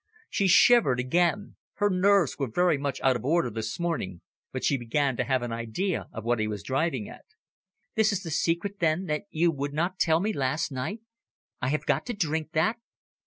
She shivered again; her nerves were very much out of order this morning, but she began to have an idea of what he was driving at. "This is the secret, then, that you would not tell me last night. I have got to drink that."